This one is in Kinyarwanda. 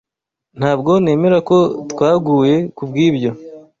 Ntabwo nemera ko twaguye kubwibyo.